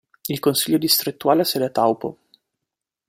Il Consiglio distrettuale ha sede a Taupo.